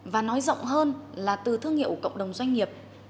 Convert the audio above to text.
và nói rộng hơn là từ thương hiệu của cộng đồng doanh nghiệp